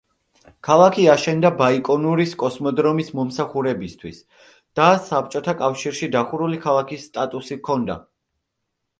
ქალაქი აშენდა ბაიკონურის კოსმოდრომის მომსახურებისთვის და საბჭოთა პერიოდში დახურული ქალაქის სტატუსი ჰქონდა.